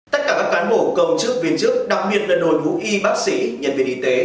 tất cả các cán bộ công chức viên chức đặc biệt là đội ngũ y bác sĩ nhân viên y tế